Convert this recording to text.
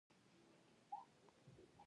په افغانستان کې د ژبې تاریخ اوږد دی.